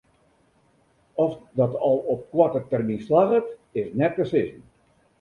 Oft dat al op koarte termyn slagget is net te sizzen.